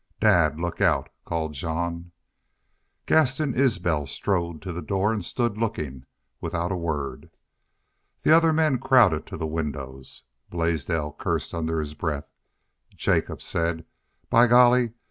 "Dad, look out!" called Jean. Gaston Isbel strode to the door and stood looking, without a word. The other men crowded to the windows. Blaisdell cursed under his breath. Jacobs said: "By Golly!